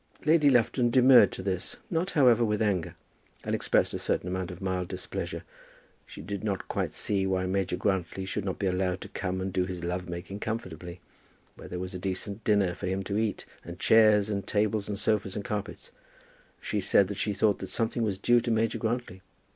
Lady Lufton demurred to this, not however with anger, and expressed a certain amount of mild displeasure. She did not quite see why Major Grantly should not be allowed to come and do his love making comfortably, where there was a decent dinner for him to eat, and chairs and tables and sofas and carpets. She said that she thought that something was due to Major Grantly.